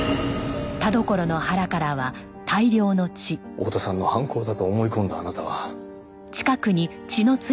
大多さんの犯行だと思い込んだあなたは。